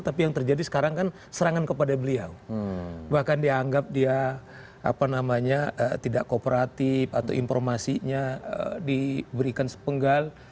tapi yang terjadi sekarang kan serangan kepada beliau bahkan dianggap dia apa namanya tidak kooperatif atau informasinya diberikan sepenggal